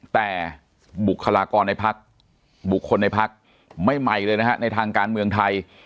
แต่บุคลากรในพักบุคคลในพักไม่ใหม่เลยนะฮะในทางการเมืองไทย